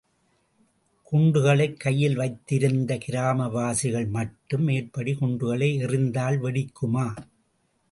குண்டுகளைக் கையில் வைத்திருந்த கிராமவாசிகள் மட்டும், மேற்படி குண்டுகளை எறிந்தால் வெடிக்குமா?